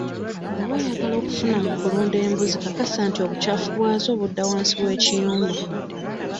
Bw'oba oyagala okufuna mu kulunda embuzi kakasa nti obukyafu bwazo budda wansi w'ekiyumba.